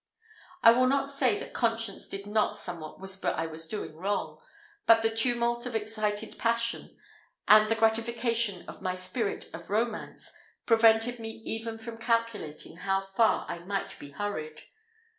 I will not say that conscience did not somewhat whisper I was doing wrong; but the tumult of excited passion, and the gratification of my spirit of romance, prevented me even from calculating how far I might be hurried.